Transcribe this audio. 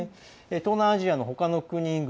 東南アジアのほかの国々